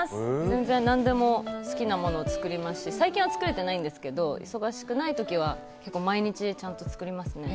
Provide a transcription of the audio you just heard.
全然、何でも好きなもの作りますし最近は作れてないんですが忙しい時は結構、毎日ちゃんと作りますね。